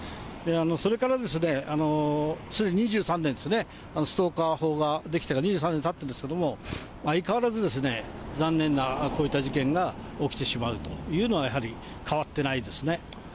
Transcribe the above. それから２３年ですね、ストーカー法が出来てから２３年たってるんですけど、相変わらず、残念なこういった事件が起きてしまうというのはやはり変わってないですね。